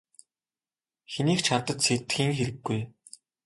Хэнийг ч хардаж сэрдэхийн хэрэггүй.